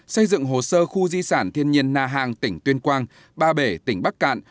xây dựng hồ sơ khu di sản thiên nhiên na hàng tỉnh tuyên quang ba bể tỉnh bắc cạn